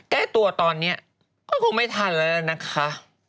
แก้ตัวตอนนี้ก็คงไม่ทันแล้วนะคะ